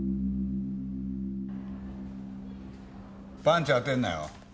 パンチ当てるなよ。